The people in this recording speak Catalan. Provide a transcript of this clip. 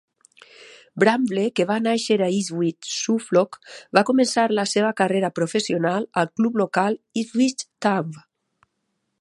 Bramble, que va néixer a Ipswich, Suffolk, va començar la seva carrera professional al club local Ipswich Town.